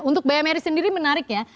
untuk bmry sendiri menarik ya